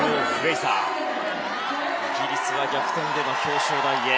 イギリスは逆転での表彰台へ。